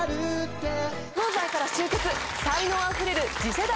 東西から集結才能あふれる次世代